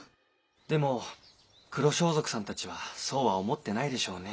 でも黒装束さんたちはそうは思ってないでしょうね。